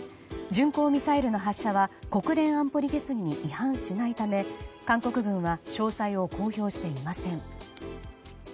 巡航ミサイルの発射は国連安保理決議に違反しないため、韓国軍は詳細を公表していません。